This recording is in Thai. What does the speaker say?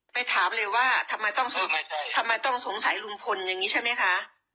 ไปถามเลยว่าทำไมต้องสงสัยรุมพลอย่างเนี่ยใช่ไหมคะ